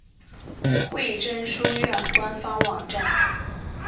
惠贞书院官方网站